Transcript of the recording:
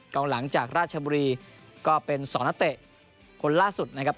หลังจากราชบุรีก็เป็นสองนักเตะคนล่าสุดนะครับ